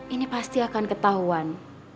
ini pasti akan ketahuan